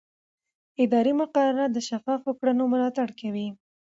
اداري مقررات د شفافو کړنو ملاتړ کوي.